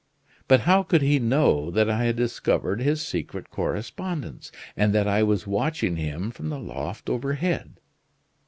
But how could he know that I had discovered his secret correspondence, and that I was watching him from the loft overhead?